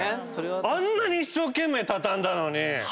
あんなに一生懸命畳んだのに。